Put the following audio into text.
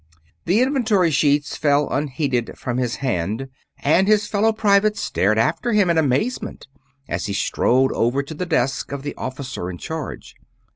The inventory sheets fell unheeded from his hand, and his fellow private stared after him in amazement as he strode over to the desk of the officer in charge.